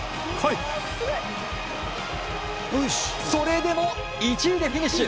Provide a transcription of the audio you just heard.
それでも、１位でフィニッシュ。